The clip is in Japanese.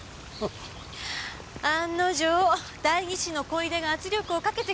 案の定代議士の小出が圧力をかけてきたのよ。